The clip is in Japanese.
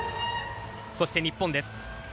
そして日本です。